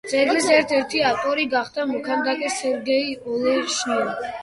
ძეგლის ერთ-ერთი ავტორი გახდა მოქანდაკე სერგეი ოლეშნია.